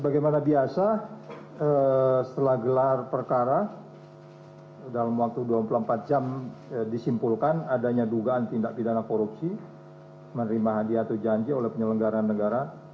bagaimana biasa setelah gelar perkara dalam waktu dua puluh empat jam disimpulkan adanya dugaan tindak pidana korupsi menerima hadiah atau janji oleh penyelenggara negara